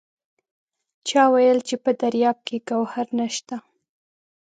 چا وایل چې په دریاب کې ګوهر نشته!